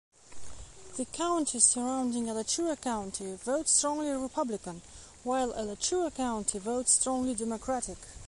The counties surrounding Alachua County vote strongly Republican, while Alachua County votes strongly Democratic.